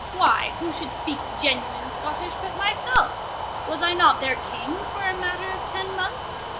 —Why, who should speak genuine Scottish but myself?—Was I not their King for a matter of ten months?